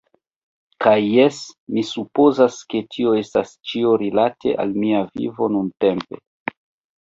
Kaj jes, mi supozas, ke tio estas ĉio rilate al mia vivo nuntempe.